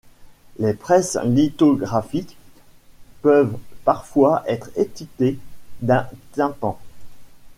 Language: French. Les presses lithographiques peuvent parfois être équipées d’un tympan.